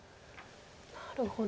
なるほど。